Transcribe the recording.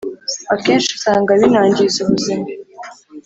akenshi usanga binangiza ubuzima.